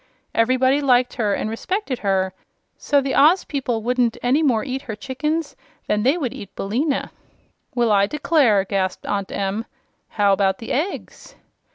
Everybody liked her an' respected her, so the Oz people wouldn't any more eat her chickens than they would eat Billina." "Well, I declare," gasped Aunt Em. "How about the eggs?"